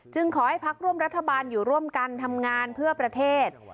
ขอให้พักร่วมรัฐบาลอยู่ร่วมกันทำงานเพื่อประเทศ